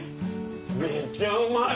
めっちゃうまい！